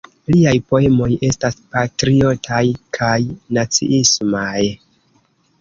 Liaj poemoj estas patriotaj kaj naciismaj.